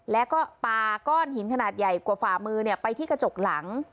แล้วก็ปาก้อนหินขนาดใหญ่กว่าฝ่ามือไปที่กระจกหลัง